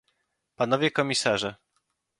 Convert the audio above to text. Panowie komisarze